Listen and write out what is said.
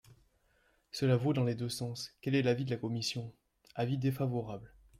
Cela vaut dans les deux sens ! Quel est l’avis de la commission ? Avis défavorable.